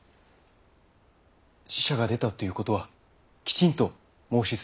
死者が出たということはきちんと申し伝えましょう。